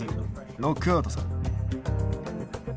ノックアウトさ。